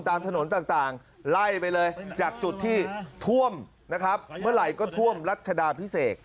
ตามถนนต่างไล่ไปเลยจากจุดที่ท่วมนะครับเมื่อไหร่ก็ท่วมรัชดาพิเศษ